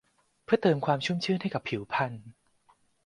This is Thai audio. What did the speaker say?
เพื่อเติมความชุ่มชื้นให้กับผิวพรรณ